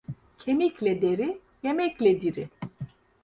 Kemikle deri, yemekle diri.